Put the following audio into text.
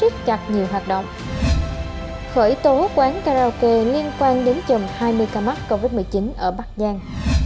khởi tố quán karaoke liên quan đến chầm hai mươi ca mắc covid một mươi chín ở bắc giang